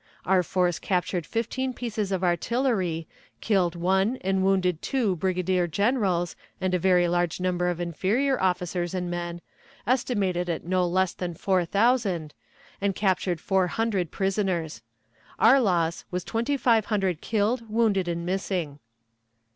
Our force captured fifteen pieces of artillery, killed one and wounded two brigadier generals and a very large number of inferior officers and men, estimated at no lees than four thousand, and captured four hundred prisoners. Our loss was twenty five hundred killed, wounded, and missing.